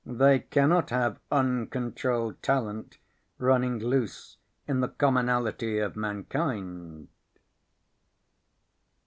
They cannot have uncontrolled talent running loose in the commonalty of mankind.